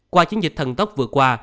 qua chiến dịch thần tốc vừa qua